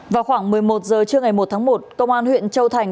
vào khoảng một mươi một h trưa ngày một tháng một công an huyện châu thành